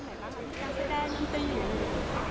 ในการแสดงอินเตอร์อยู่